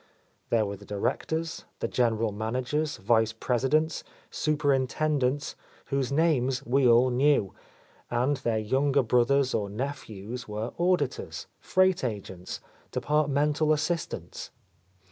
There were the directors, the general managers, vice presidents, superinh tendents, whose names we all knew; and their younger brothers or nephews were auditors, freight agents, departmental assistants.